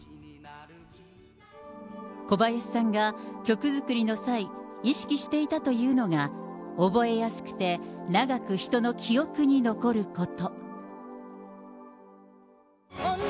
小林さんが曲作りの際、意識していたというのが、覚えやすくて、長く人の記憶に残ること。